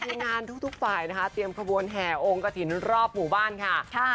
ทีมงานทุกฝ่ายนะคะเตรียมขบวนแห่องกระถิ่นรอบหมู่บ้านค่ะ